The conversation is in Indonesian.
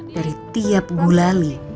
dari tiap gulali